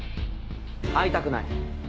会いたくない。